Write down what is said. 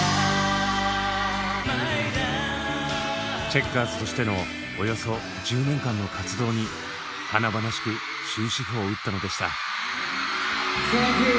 チェッカーズとしてのおよそ１０年間の活動に華々しく終止符を打ったのでした。